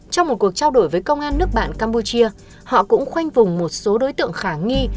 trong một cuộc trao đổi với công an nước bạn campuchia họ cũng khoanh vùng một số đối tượng khả nghi